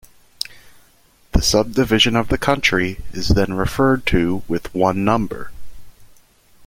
The subdivision of the country is then referred to with one number.